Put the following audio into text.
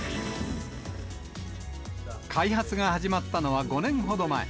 開発が始まったのは５年ほど前。